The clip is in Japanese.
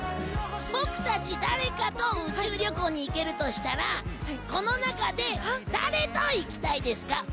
僕たち誰かと宇宙旅行に行けるとしたらこの中で、誰と行きたいですか？